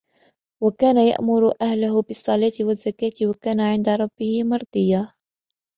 وكان يأمر أهله بالصلاة والزكاة وكان عند ربه مرضيا